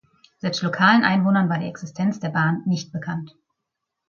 Selbst lokalen Einwohnern war die Existenz der Bahn nicht bekannt.